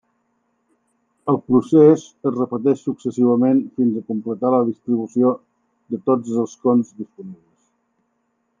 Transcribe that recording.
El procés es repeteix successivament fins a completar la distribució de tots els escons disponibles.